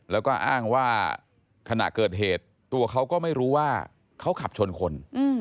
แล้วก็อ้างว่าขณะเกิดเหตุตัวเขาก็ไม่รู้ว่าเขาขับชนคน